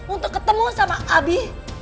untuk ketemu sama abi